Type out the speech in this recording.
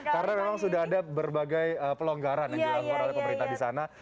karena memang sudah ada berbagai pelonggaran yang dilakukan oleh pemerintah di sana